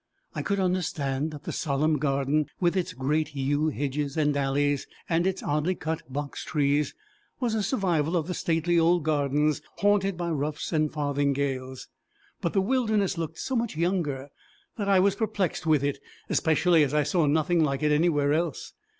I could understand that the solemn garden, with its great yew hedges and alleys, and its oddly cut box trees, was a survival of the stately old gardens haunted by ruffs and farthingales; but the wilderness looked so much younger that I was perplexed with it, especially as I saw nothing like it anywhere else.